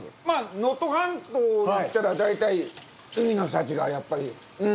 まあ、能登半島に来たら大体、海の幸がやっぱり。